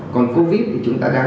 còn covid thì chúng ta đang